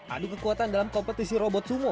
adu kekuatan dalam kompetisi robot sumo